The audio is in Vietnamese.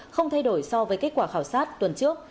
không thay đổi so với kết quả khảo sát tuần trước